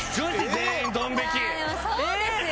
でもそうですよ。